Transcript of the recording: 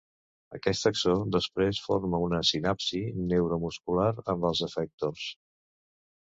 Aquest axó després forma una sinapsi neuromuscular amb els efectors.